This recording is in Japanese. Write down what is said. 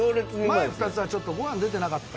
前２つはちょっとご飯出てなかった。